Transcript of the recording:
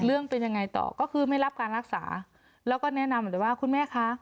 เรื่องเป็นยังไงต่อก็คือไม่รับการรักษาแล้วก็แนะนำหมดเลยว่าคุณแม่คะ